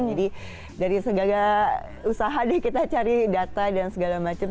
jadi dari segala usaha deh kita cari data dan segala macem